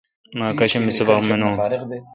مہ اکاشم می سبق منون۔